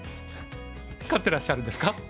飼ってらっしゃるんですか？